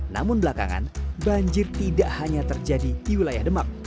namun belakangan banjir tidak hanya terjadi di wilayah demak